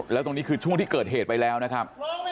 แล้วตรงนี้คือช่วงที่เกิดเหตุไปแล้วนะครับ